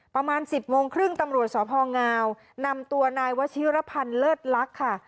ประมาณ๑๐โมงครึ่งตำรวจสพงนำตัวนายวชิรพันธ์เลิศลักษณ์ค่ะ